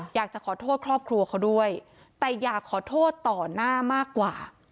อยากจะขอโทษครอบครัวเขาด้วยแต่อยากขอโทษต่อหน้ามากกว่า